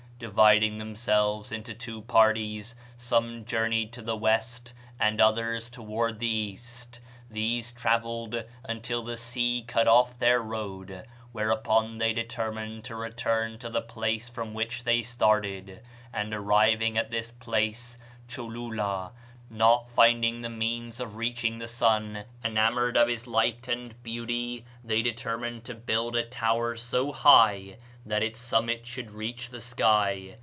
Dividing themselves into two parties, some journeyed to the west and others toward the east; these travelled; until the sea cut off their road, whereupon they determined to return to the place from which they started, and arriving at this place (Cholula), not finding the means of reaching the sun, enamored of his light and beauty, they determined to build a tower so high that its summit should reach the sky.